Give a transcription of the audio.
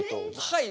はい。